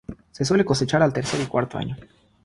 Se suele cosechar al tercer o cuarto año.